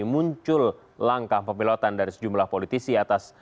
muncul langkah pemilotan dari sejumlah pemerintah